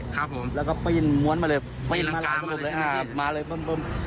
ครับผมแล้วก็ปริ่นม้วนมาเลยปริ่นรังการมาเลยใช่มั้ยพี่